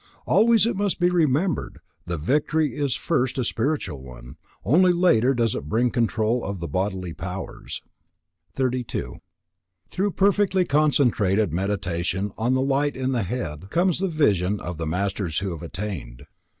Always, it must be remembered, the victory is first a spiritual one; only later does it bring control of the bodily powers. 32. Through perfectly concentrated Meditation on the light in the head comes the vision of the Masters who have attained.